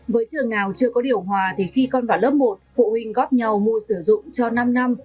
với trường nào chưa có điều hòa thì khi con vào lớp một phụ huynh góp nhau mua sử dụng cho năm năm